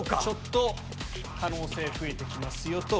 ちょっと可能性増えて来ますよ。